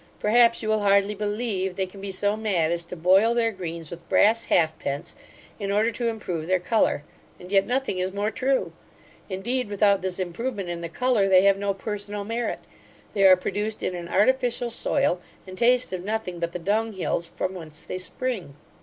Perhaps, you will hardly believe they can be so mad as to boil their greens with brass halfpence, in order to improve their colour; and yet nothing is more true Indeed, without this improvement in the colour, they have no personal merit. They are produced in an artificial soil, and taste of nothing but the dunghills, from whence they spring.